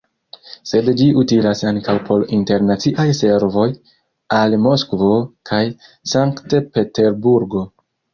Sed ĝi utilas ankaŭ por internaciaj servoj al Moskvo kaj Sankt-Peterburgo.